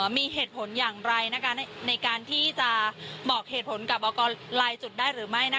มีเหตุผลอย่างไรในการที่จะบอกเหตุผลกับออกลายจุดได้หรือไม่